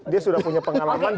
dia sudah punya pengalaman